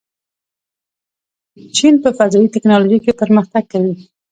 چین په فضايي تکنالوژۍ کې پرمختګ کوي.